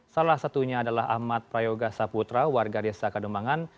salah satunya adalah ahmad prayoga saputra warga desa kadumangan